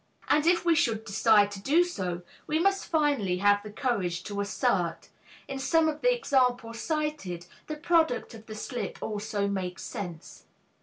And if we should decide to do so we must finally have the courage to assert, "In some of the examples cited, the product of the slip also makes sense."